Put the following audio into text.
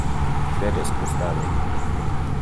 Ich werde es kurz darlegen.